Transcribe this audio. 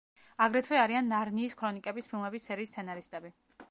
აგრეთვე არიან „ნარნიის ქრონიკების“ ფილმების სერიის სცენარისტები.